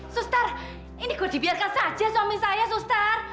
sustar ini gue dibiarkan saja suami saya sustar